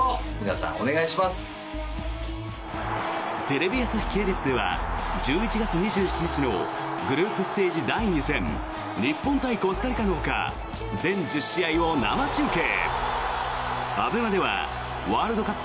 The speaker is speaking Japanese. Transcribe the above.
テレビ朝日系列では１１月２７日のグループステージ第２戦日本対コスタリカのほか全１０試合を生中継。